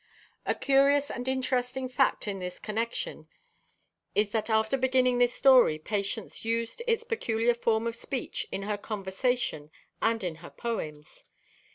A curious and interesting fact in this connection is that after beginning this story Patience used its peculiar form of speech in her conversation and in her poems.